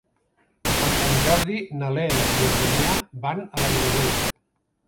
Per Sant Jordi na Lea i en Damià van a la Vilavella.